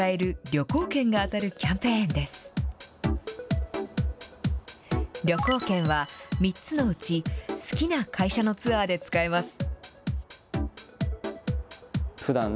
旅行券は３つのうち、好きな会社のツアーで使えます。